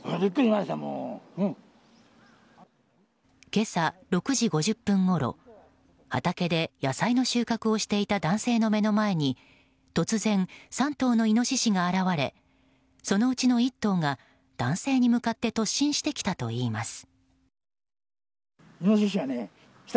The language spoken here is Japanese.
今朝６時５０分ごろ畑で野菜の収穫をしていた男性の目の前に突然、３頭のイノシシが現れそのうちの１頭が男性に向かって突進してきたといいます。